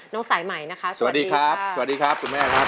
น้องสายใหม่นะคะสวัสดีครับสวัสดีครับคุณแม่ครับ